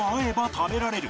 食べられる！